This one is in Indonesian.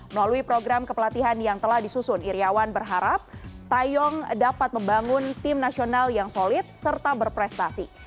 melalui program kepelatihan yang telah disusun iryawan berharap tayong dapat membangun tim nasional yang solid serta berprestasi